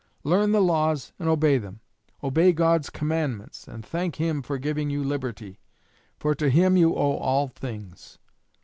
Learn the laws and obey them; obey God's commandments and thank Him for giving you liberty, for to Him you owe all things.